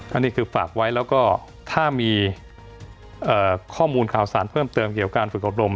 อันนี้คือฝากไว้แล้วก็ถ้ามีข้อมูลข่าวสารเพิ่มเติมเกี่ยวการฝึกอบรม